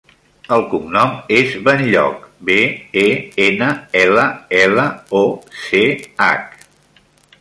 El cognom és Benlloch: be, e, ena, ela, ela, o, ce, hac.